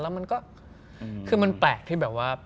แล้วมันก็คือมันแปลกที่แบบว่า